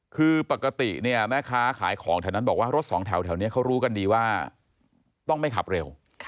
คือปกติเนี่ยแม่ค้าขายของแถวนั้นบอกว่ารถสองแถวนี้เขารู้กันดีว่าต้องไม่ขับเร็ว